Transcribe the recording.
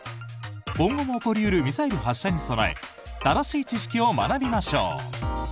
今後も起こり得るミサイル発射に備え正しい知識を学びましょう。